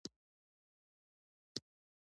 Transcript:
پاچا لمانځه ته ولاړل.